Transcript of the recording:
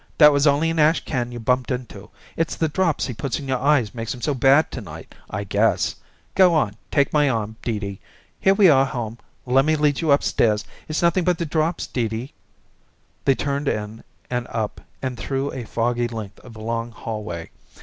That was only an ashcan you bumped into. It's the drops he puts in your eyes makes 'em so bad to night, I guess. Go on, take my arm, Dee Dee. Here we are home. Lemme lead you up stairs. It's nothing but the drops, Dee Dee." They turned in and up and through a foggy length of long hallway.